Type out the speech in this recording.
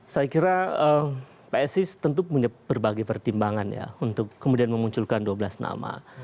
saya kira psi tentu punya berbagai pertimbangan ya untuk kemudian memunculkan dua belas nama